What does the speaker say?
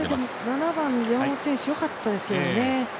７番、山本選手よかったですけどね。